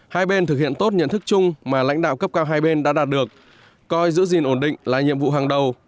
hai bên thực hiện tốt nhận thức chung mà lãnh đạo cấp cao hai bên đã đạt được coi giữ gìn ổn định là nhiệm vụ hàng đầu